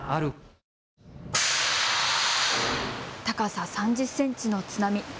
高さ３０センチの津波。